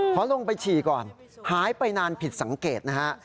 ขอลงไปฉี่ก่อนหายไปนานผิดสังเกตนะฮะ